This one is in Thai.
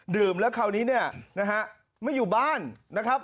ดื่มแล้วคราวนี้เนี่ยนะฮะไม่อยู่บ้านนะครับ